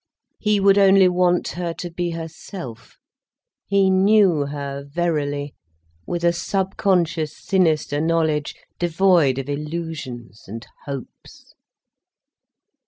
He would only want her to be herself—he knew her verily, with a subconscious, sinister knowledge, devoid of illusions and hopes.